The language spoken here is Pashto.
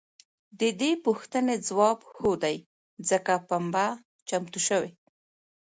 د دې پوښتنې ځواب هو دی ځکه پنبه چمتو شوې.